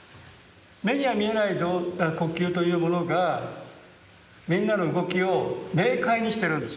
目には見えない呼吸というものがみんなの動きを明快にしてるんですよ。